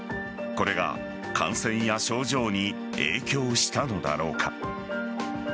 これが感染や症状に影響したのだろうか。